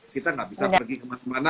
kita nggak bisa pergi kemana mana